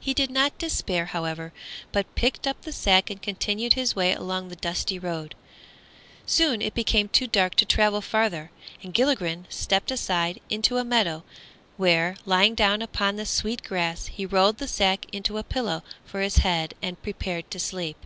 He did not despair, however, but picked up the sack and continued his way along the dusty road. Soon it became too dark to travel farther, and Gilligren stepped aside into a meadow, where, lying down upon the sweet grass, he rolled the sack into a pillow for his head and prepared to sleep.